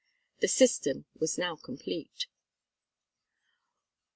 "The System" was now complete.